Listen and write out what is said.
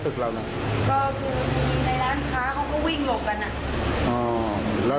ก็คือในร้านค้าเขาก็วิ่งหลบกันนะ